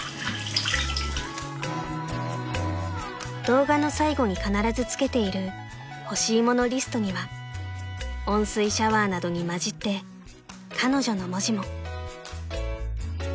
［動画の最後に必ずつけている欲しいものリストには温水シャワーなどに交じって彼女の文字も］